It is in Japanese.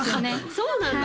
そうなんだ